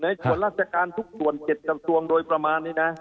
ส่วนราชการทุกส่วน๗กระทรวงโดยประมาณนี้นะ